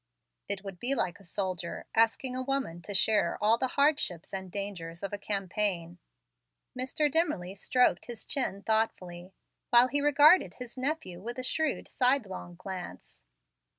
It would be like a soldier asking a woman to share all the hardships and dangers of a campaign." Mr. Dimmerly stroked his chin thoughtfully, while he regarded his nephew with a shrewd, sidelong glance.